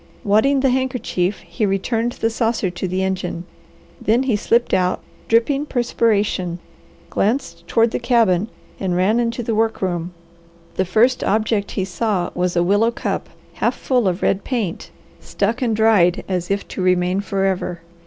Wadding the handkerchief he returned the saucer to the engine. Then he slipped out, dripping perspiration, glanced toward the cabin, and ran into the work room. The first object he saw was a willow cup half full of red paint, stuck and dried as if to remain forever.